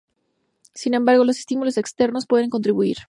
Sin embargo, los estímulos externos pueden contribuir.